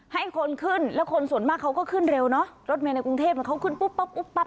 ให้คนขึ้นแล้วคนส่วนมากเขาก็ขึ้นเร็วเนอะรถเมย์ในกรุงเทพเขาขึ้นปุ๊บปั๊บปุ๊บปั๊บ